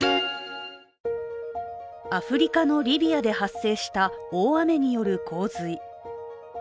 アフリカのリビアで発生した大雨による洪水。